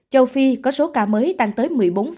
châu phi có số ca mới tăng tới một mươi bốn